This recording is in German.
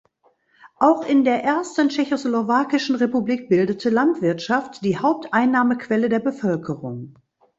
Auch in der ersten tschechoslowakischen Republik bildete Landwirtschaft die Haupteinnahmequelle der Bevölkerung.